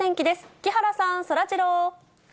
木原さん、そらジロー。